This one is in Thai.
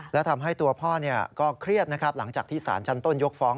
และทำให้ตัวพ่อก็เครียดนะครับหลังจากที่สารชั้นต้นยกฟ้อง